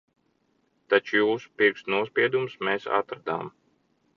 Taču jūsu pirkstu nospiedumus mēs atradām.